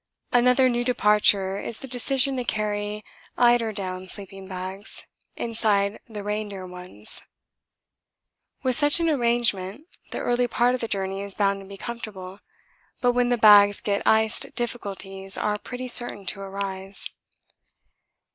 Another new departure is the decision to carry eiderdown sleeping bags inside the reindeer ones. With such an arrangement the early part of the journey is bound to be comfortable, but when the bags get iced difficulties are pretty certain to arise.